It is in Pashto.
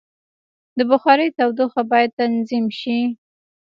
د بخارۍ تودوخه باید تنظیم شي.